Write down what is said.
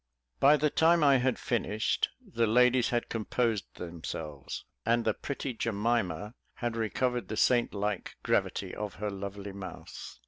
By the time I had finished, the ladies had composed themselves; and the pretty Jemima had recovered the saint like gravity of her lovely mouth.